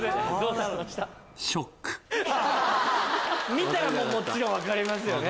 見たらもちろん分かりますよね。